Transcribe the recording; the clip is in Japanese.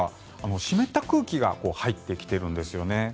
湿った空気が入ってきているんですよね。